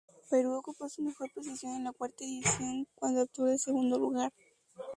Perú ocupó su mejor posición en la cuarta edición cuando obtuvo el segundo lugar.